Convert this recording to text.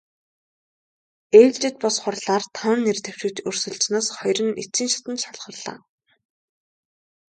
Ээлжит бус хурлаар таван нэр дэвшигч өрсөлдсөнөөс хоёр нь эцсийн шатанд шалгарлаа.